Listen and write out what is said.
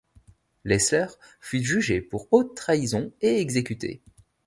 Leisler fut jugé pour haute trahison et exécuté.